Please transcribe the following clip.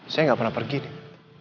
saya nggak pernah pergi nih